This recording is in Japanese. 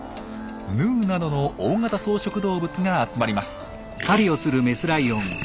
ヌーなどの大型草食動物が集まります。